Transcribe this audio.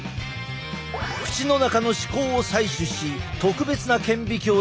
口の中の歯垢を採取し特別な顕微鏡で観察。